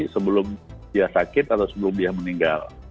sebelum dia sakit atau sebelum dia meninggal